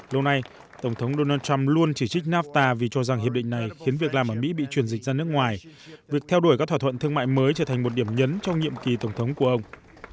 lâu nay tổng thống donald trump luôn chỉ trích nafta vì cho rằng hiệp định này khiến việc làm ở mỹ bị truyền dịch ra nước ngoài việc theo đuổi các thỏa thuận thương mại mới trở thành một điểm nhấn trong nhiệm kỳ tổng thống của ông